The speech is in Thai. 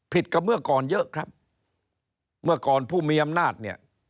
กับเมื่อก่อนเยอะครับเมื่อก่อนผู้มีอำนาจเนี่ย